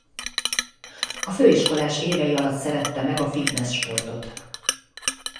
A főiskolás évei alatt szerette meg a fitnesz sportot.